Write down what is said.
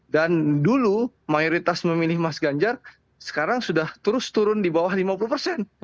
dan dulu mayoritas memilih mas ganjar sekarang sudah terus turun di bawah lima puluh persen